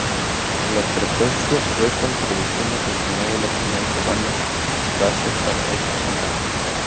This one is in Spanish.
Las frecuencias restan, produciendo de nuevo la señal de banda base para ese canal.